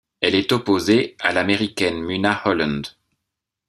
Elle est opposée, à l'américaine Munah Holland.